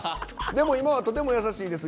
でも、今はとても優しいです。